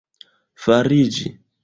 fariĝi